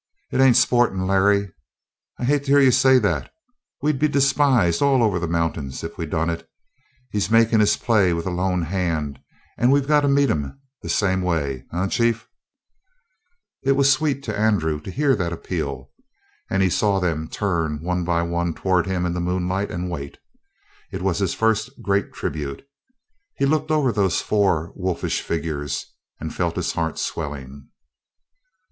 "It ain't sportin', Larry. I hate to hear you say that. We'd be despised all over the mountains if we done it. He's makin' his play with a lone hand, and we've got to meet him the same way. Eh, chief?" It was sweet to Andrew to hear that appeal. And he saw them turn one by one toward him in the moonlight and wait. It was his first great tribute. He looked over those four wolfish figures and felt his heart swelling.